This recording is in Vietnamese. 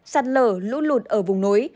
sạt lở lút lụt ở vùng núi